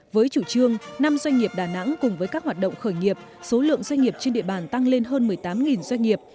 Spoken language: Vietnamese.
với chủ trương năm doanh nghiệp đà nẵng cùng với các hoạt động khởi nghiệp số lượng doanh nghiệp trên địa bàn tăng lên hơn một mươi tám doanh nghiệp